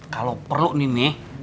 kalau perlu nih mi